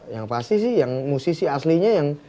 yang pasti sih yang musisi aslinya yang